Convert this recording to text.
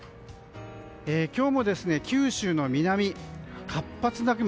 今日も九州の南に活発な雲。